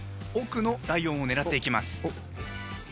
奥のライオンを狙っていきます。